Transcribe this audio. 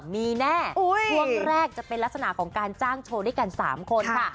มีแน่ช่วงแรกจะเป็นลักษณะของการจ้างโชว์ด้วยกัน๓คนค่ะ